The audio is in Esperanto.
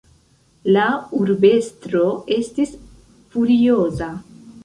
La urbestro estis furioza.